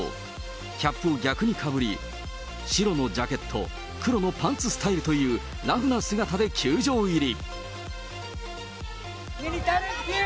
キャップを逆にかぶり、白のジャケット、黒のパンツスタイルというラフな姿で球場入り。